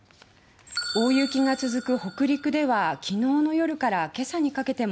大雪が続く北陸では昨日の夜から今朝にかけても